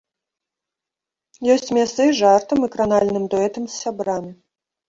Ёсць месца і жартам, і кранальным дуэтам з сябрамі.